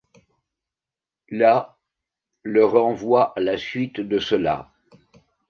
La le renvoie à la suite de cela.